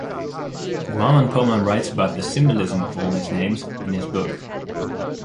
Guaman Poma writes about the symbolism of all his names in his book.